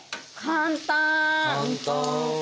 簡単！